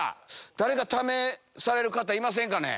誰か試される方いませんかね？